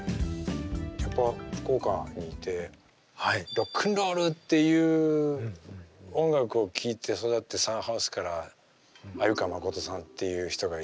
やっぱ福岡にいてロックンロールっていう音楽を聴いて育ってサンハウスから鮎川誠さんっていう人がいて。